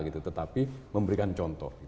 tetapi memberikan contoh